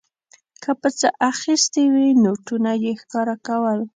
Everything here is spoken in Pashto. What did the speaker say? که په څه اخیستې وې نوټونه یې ښکاره کول.